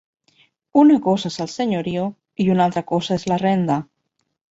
Una cosa és el senyorio i una altra cosa és la renda.